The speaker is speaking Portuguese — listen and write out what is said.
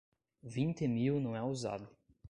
Vinte mil não é usado